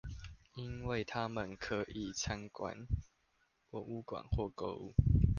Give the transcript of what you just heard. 因為他們可以參觀博物館或購物